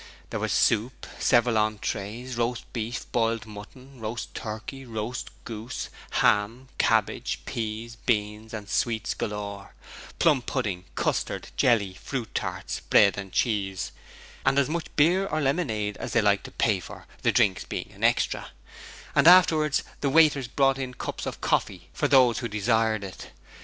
There was soup, several entrees, roast beef, boiled mutton, roast turkey, roast goose, ham, cabbage, peas, beans and sweets galore, plum pudding, custard, jelly, fruit tarts, bread and cheese and as much beer or lemonade as they liked to pay for, the drinks being an extra; and afterwards the waiters brought in cups of coffee for those who desired it.